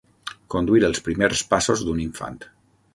Conduir els primers passos d'un infant.